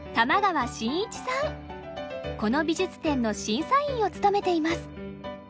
この美術展の審査員を務めています。